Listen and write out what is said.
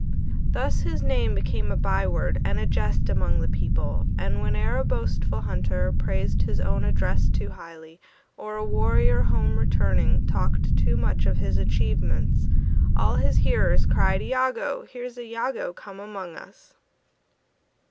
Thus his name became a by word And a jest among the people; And whene'er a boastful hunter Praised his own address too highly, Or a warrior, home returning, Talked too much of his achievements, All his hearers cried: "Iagoo! Here's Iagoo come among us!"